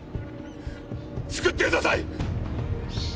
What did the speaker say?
救ってください！